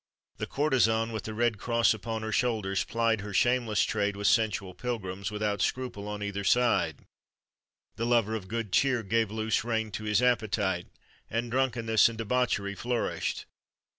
The courtesan, with the red cross upon her shoulders, plied her shameless trade with sensual pilgrims without scruple on either side; the lover of good cheer gave loose rein to his appetite, and drunkenness and debauchery flourished.